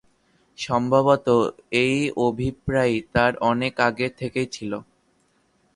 সম্ভবত এই অভিপ্রায় তার অনেক আগে থেকেই ছিল।